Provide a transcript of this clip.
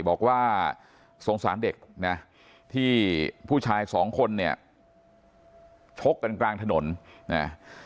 บอกว่าสงสารเด็กนะที่ผู้ชายสองคนเนี่ยชกกันกลางถนนนะ